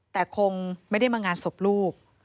แต่คงไม่ได้มางานศพลูก